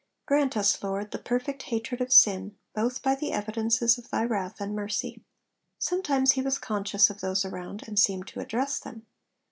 Grant us, Lord, the perfect hatred of sin, both by the evidences of Thy wrath and mercy.' Sometimes he was conscious of those around, and seemed to address them.